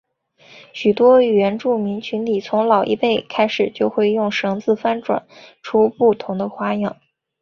许多原住民群体从老一辈开始就会用绳子翻转出不同的花样。